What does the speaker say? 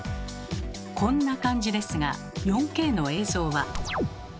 こんな感じですが４Ｋの映像は。